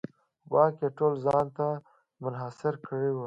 واک یې ټول ځان ته منحصر کړی و.